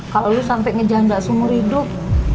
kalau lo sampai ngejanda semua hidup